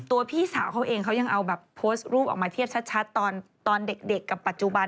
พี่สาวเขาเองเขายังเอาแบบโพสต์รูปออกมาเทียบชัดตอนเด็กกับปัจจุบัน